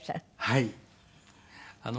はい。